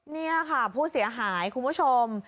นี่ค่ะผู้เสียหายคุณผู้ชม